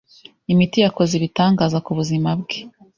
Imiti yakoze ibitangaza kubuzima bwe.